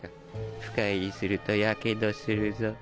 深入りすると火傷するぞ。